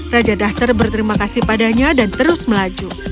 raja duster berterima kasih padanya dan terus melaju